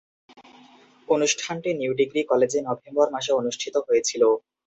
অনুষ্ঠানটি new degree কলেজে November মাসে অনুষ্ঠিত হয়েছিলো।